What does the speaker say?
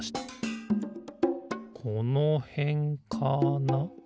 このへんかな？